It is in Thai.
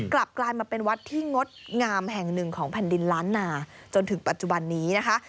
กลายมาเป็นวัดที่งดงามแห่งหนึ่งของแผ่นดินล้านนาจนถึงปัจจุบันนี้นะคะ